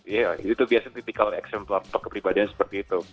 iya itu biasanya tipikal action kepribadian seperti itu